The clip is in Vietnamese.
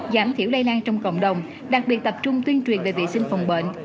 giảm thiểu lây lan trong cộng đồng đặc biệt tập trung tuyên truyền về vệ sinh phòng bệnh